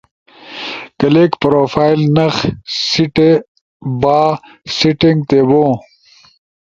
کلک پروفائل نخ سیٹھے باں سیٹینگ تے بوں